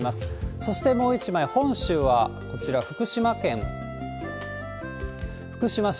そしてもう１枚、本州は、こちら、福島県福島市。